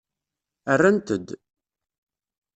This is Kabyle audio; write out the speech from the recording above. Rrant-d.